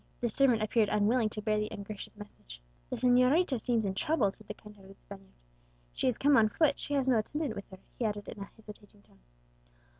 The servant appeared unwilling to bear the ungracious message. "The señorita seems in trouble," said the kind hearted Spaniard; "she has come on foot; she has no attendant with her," he added, in a hesitating tone.